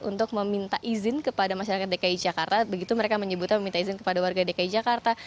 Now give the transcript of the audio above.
untuk meminta izin kepada masyarakat dki jakarta begitu mereka menyebutnya meminta izin kepada warga dki jakarta